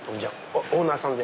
オーナーさんで？